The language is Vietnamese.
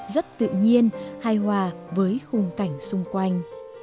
rất tự nhiên hài hòa với khung cảnh xung quanh